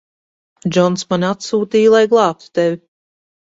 Džons mani atsūtīja, lai glābtu tevi.